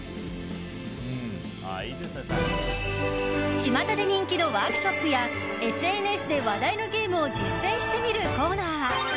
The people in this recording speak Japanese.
ちまたで人気のワークショップやＳＮＳで話題のゲームを実践してみるコーナー